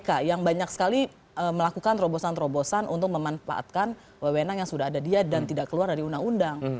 kpk yang banyak sekali melakukan terobosan terobosan untuk memanfaatkan wewenang yang sudah ada dia dan tidak keluar dari undang undang